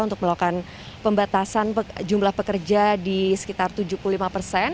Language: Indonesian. untuk melakukan pembatasan jumlah pekerja di sekitar tujuh puluh lima persen